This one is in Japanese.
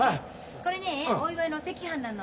これねお祝いのお赤飯なの。